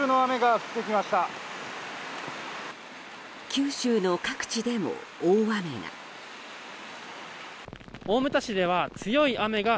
九州の各地でも大雨が。